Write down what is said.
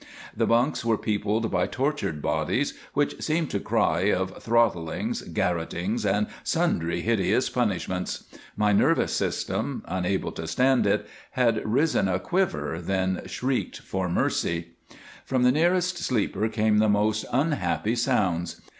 The bunks were peopled by tortured bodies, which seemed to cry of throttlings, garrotings, and sundry hideous punishments. My nervous system, unable to stand it, had risen a quiver, then shrieked for mercy. From the nearest sleeper came the most unhappy sounds.